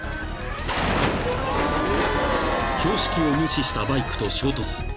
［標識を無視したバイクと衝突］